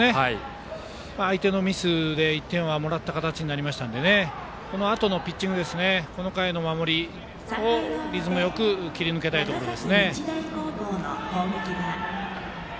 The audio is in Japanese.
相手のミスで１点はもらった形になりましたのでこのあとのピッチングこの回の守りをリズムよく切り抜けたいところです。